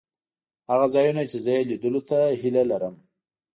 هغه ځایونه چې زه یې لیدلو ته هیله لرم.